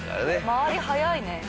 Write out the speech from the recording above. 周り早いね。